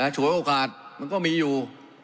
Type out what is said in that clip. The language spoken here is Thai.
ฉวยโอกาสมันก็มีอยู่